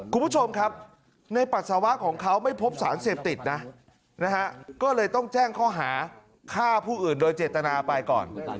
คุณผู้ชมครับในปัสสาวะของเขาไม่พบสารเสพติดนะก็เลยต้องแจ้งข้อหาฆ่าผู้อื่นโดยเจตนาไปก่อน